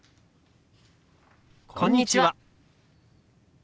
「こんにちは」。